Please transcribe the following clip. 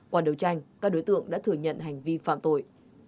qua đấu tranh các đối tượng đã thừa nhận hành vi phạm tội